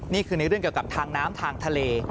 นี่คือในเรื่องเกี่ยวกับทางน้ำทางทะเล